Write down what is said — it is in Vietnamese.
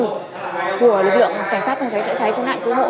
của lực lượng cảnh sát phòng cháy cháy cháy và cứu nạn cứu hộ